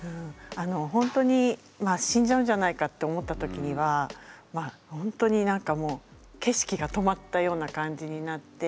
ほんとに死んじゃうんじゃないかって思った時にはまあほんとに何かもう景色が止まったような感じになって。